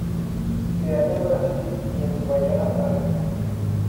Se halla en Brasil y en Guyana Francesa.